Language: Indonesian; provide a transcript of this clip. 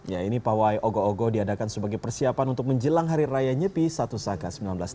ya ini pawai ogo ogo diadakan sebagai persiapan untuk menjelang hari raya nyepi satu saka seribu sembilan ratus empat puluh